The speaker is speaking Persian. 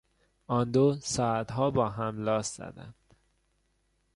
آندو، ساعتها با هم لاس زدند.